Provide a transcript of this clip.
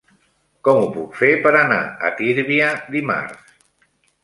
Com ho puc fer per anar a Tírvia dimarts?